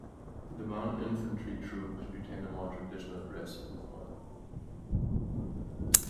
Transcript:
The Mountain infantry troops retain a more traditional dress uniform.